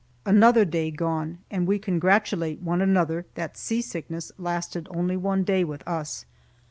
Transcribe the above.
Another day gone, and we congratulate one another that seasickness lasted only one day with us.